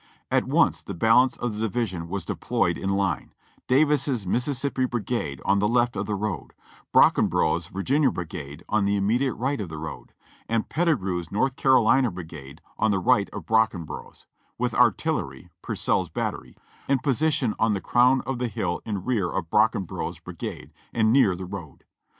At once the balance of the division w as deployed in line, Davis's (Mississippi) brigade on the left of the road, Brocken brough's (Virginia) brigade on the immediate right of the road, and Pettigrew's (North Carolina) brigade on the right of Brock enbrough's, with artillery ( Purcell's battery) in position on the crown of the hill in rear of Brockenbrough's brigade and near the road.